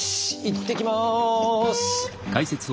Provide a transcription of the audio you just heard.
いってきます。